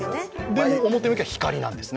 でも表向きはひかりなんですね？